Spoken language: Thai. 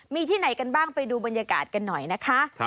มีที่ไหนกันบ้างไปดูบรรยากาศกันหน่อยนะคะ